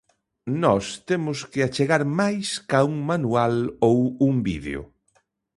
Nós temos que achegar máis ca un manual ou un vídeo.